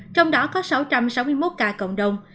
trong đó có sáu trăm sáu mươi một ca cộng đồng